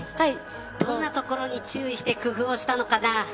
どんなところに注意して工夫したのかな。